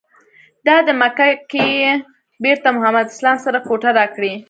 دادی مکه کې یې بېرته محمد اسلام سره کوټه راکړې.